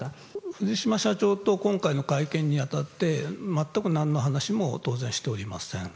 藤島社長と今回の会見にあたって、全くなんの話も当然しておりません。